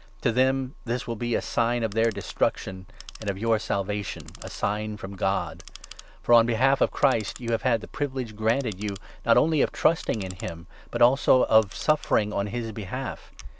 To them this will be a sign of their Destruction and of your Salvation — a sign from God. For, €>n 29 behalf of Christ, you have had the privilege granted you, not only of trusting in him, but also of suffering on his behalf.